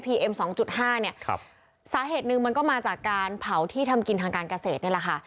เอ็มสองจุดห้าเนี่ยครับสาเหตุหนึ่งมันก็มาจากการเผาที่ทำกินทางการเกษตรนี่แหละค่ะ